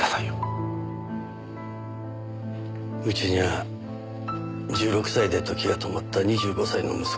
うちには１６歳で時が止まった２５歳の息子がいるんです。